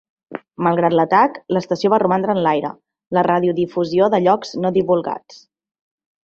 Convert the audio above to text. Malgrat l'atac, l'estació va romandre en l'aire, la radiodifusió de llocs no divulgats.